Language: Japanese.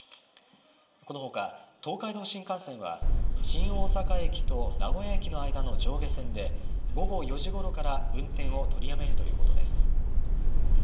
このほか、東海道新幹線は、新大阪駅と名古屋駅の間の上下線で午後４時頃から運転を取りやめるということです。